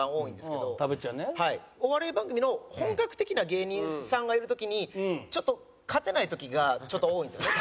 お笑い番組の本格的な芸人さんがいる時にちょっと勝てない時がちょっと多いんですよね。